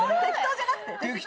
適当じゃなくて？